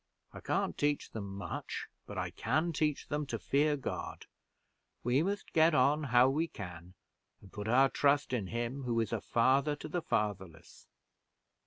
I can't teach them much; but I can teach them to fear God. We must get on how we can, and put our trust in Him who is a father to the fatherless."